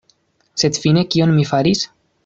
Sed fine kion mi faris?